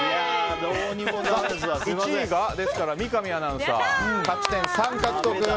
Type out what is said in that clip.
１位が三上アナウンサー勝ち点３獲得。